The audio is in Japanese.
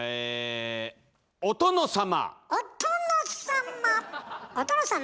お殿様！